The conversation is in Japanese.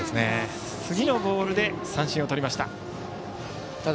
次のボールで三振をとりました。